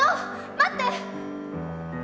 待って！